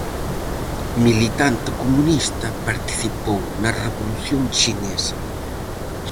Militante comunista, participou na Revolución Chinesa.